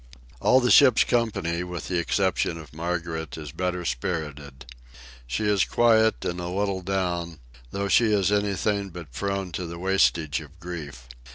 All the ship's company, with the exception of Margaret, is better spirited. She is quiet, and a little down, though she is anything but prone to the wastage of grief.